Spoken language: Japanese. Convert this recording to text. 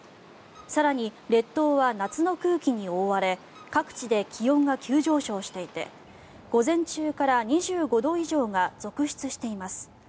更に、列島は夏の空気に覆われ各地で気温が急上昇していて午前中から２５度以上が続出しています。